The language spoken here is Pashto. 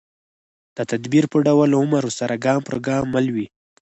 دا تدبیر به ټول عمر ورسره ګام پر ګام مل وي